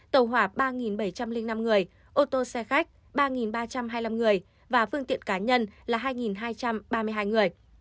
tàu hỏa ba bảy trăm linh năm người ô tô xe khách ba ba trăm hai mươi năm người và phương tiện cá nhân là hai hai trăm ba mươi hai người